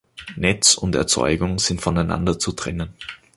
Netz und Erzeugung sind voneinander zu trennen.